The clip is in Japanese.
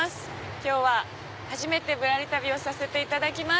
今日は初めて『ぶらり旅』をさせていただきます。